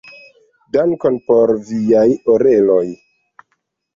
Dankon por Viaj oreloj.